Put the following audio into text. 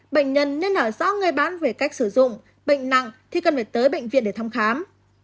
bệnh nhân nên ở rõ người bán về cách sử dụng bệnh nặng thì cần phải tới bệnh viện để thăm khám